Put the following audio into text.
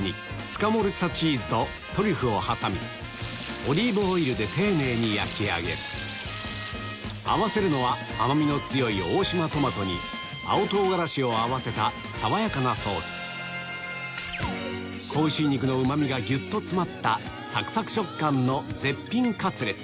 オリーブオイルで丁寧に焼き上げる合わせるのは甘みの強い大島トマトに青唐辛子を合わせた爽やかなソース子牛肉のうまみがギュっと詰まったサクサク食感の絶品カツレツ